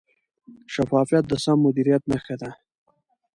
شفافیت د سم مدیریت نښه ده.